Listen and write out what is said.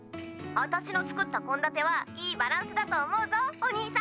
あたしの作った献立はいいバランスだと思うぞお兄さん！